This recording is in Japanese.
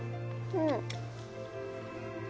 うん。